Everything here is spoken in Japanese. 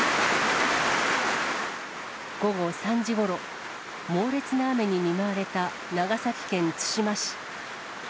午後３時ごろ、猛烈な雨に見舞われた、長崎県対馬市。